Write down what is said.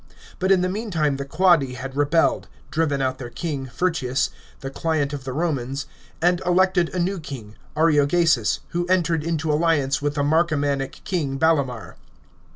But in the meantime the Qundi had rebelled, driven out their king, Furtius, the client of the Romans, and elected a new king, Ariogassus, who entered into alliance with the Marcomannic king Ballomar.